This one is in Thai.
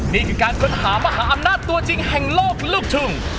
นี่คือการค้นหามหาอำนาจตัวจริงแห่งโลกลูกทุ่ง